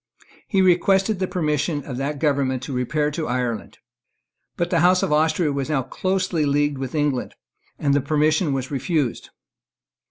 He requested the permission of that government to repair to Ireland. But the House of Austria was now closely leagued with England; and the permission was refused.